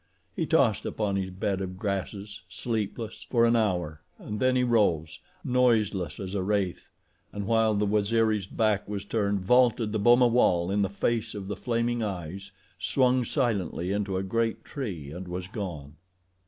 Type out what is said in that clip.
He tossed upon his bed of grasses, sleepless, for an hour and then he rose, noiseless as a wraith, and while the Waziri's back was turned, vaulted the boma wall in the face of the flaming eyes, swung silently into a great tree and was gone.